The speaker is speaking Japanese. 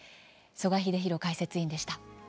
曽我英弘解説委員でした。